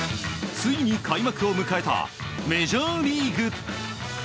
ついに開幕を迎えたメジャーリーグ。